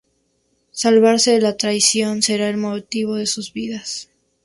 Salvarse de la traición será el motivo de sus vidas.